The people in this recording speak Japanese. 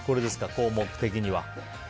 項目的には。